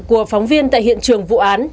của phóng viên tại hiện trường vụ án